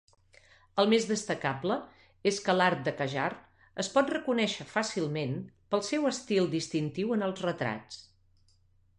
El més destacable és que l"art de Qajar es pot reconèixer fàcilment pel seu estil distintiu en els retrats.